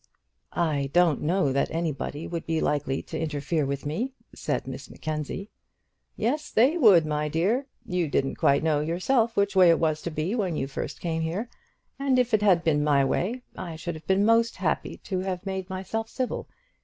"I don't know that anybody would be likely to interfere with me," said Miss Mackenzie. "Yes, they would, my dear. You didn't quite know yourself which way it was to be when you first came here, and if it had been my way, I should have been most happy to have made myself civil.